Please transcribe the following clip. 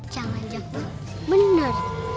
jangan jatuh benar